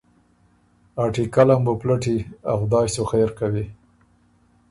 ا ټیکله م بُو پلټي ا خدای سُو خېر کوی